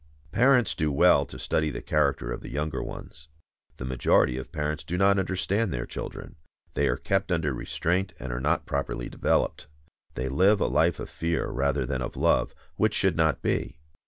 Parents do well to study the character of the younger ones. The majority of parents do not understand their children. They are kept under restraint, and are not properly developed; they live a life of fear rather than of love, which should not be.